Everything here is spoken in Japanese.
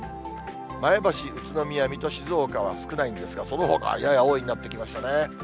前橋、宇都宮、水戸、静岡は少ないんですが、そのほかはやや多いになってきましたね。